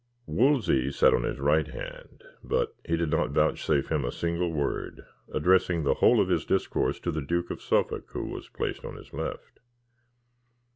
Wolsey sat on his right hand, but he did not vouchsafe him a single word, addressing the whole of his discourse to the Duke of Suffolk, who was placed on his left.